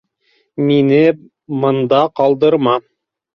Мине мында ҡалдырма!